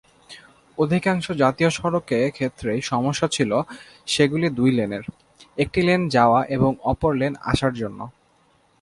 অধিকাংশ জাতীয় সড়কে ক্ষেত্রেই সমস্যা ছিল সেগুলি দুই লেনের, একটি লেন যাওয়া এবং অপর লেন আসার জন্য।